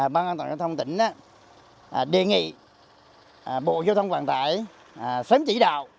ban an toàn giao thông tỉnh đề nghị bộ giao thông vận tải sớm chỉ đạo